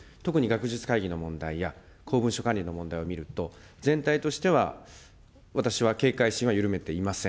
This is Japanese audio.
特に学術会議の問題や、公文書管理の問題を見ると、全体としては私は警戒心を緩めていません。